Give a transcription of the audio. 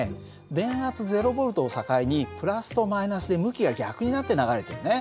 電圧０Ｖを境にプラスとマイナスで向きが逆になって流れてるね。